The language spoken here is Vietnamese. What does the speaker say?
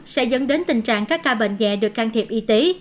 sẽ dẫn đến tình trạng các ca bệnh dạy được can thiệp y tế